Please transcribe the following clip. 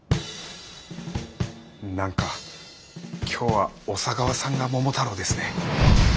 何か今日は小佐川さんが桃太郎ですね。